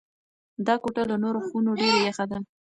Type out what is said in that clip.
دا کوټه له نورو خونو ډېره یخه ده.